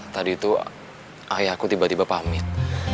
tadi itu ayah aku tiba tiba pamit